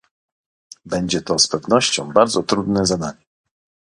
Będzie to z pewnością bardzo trudne zadanie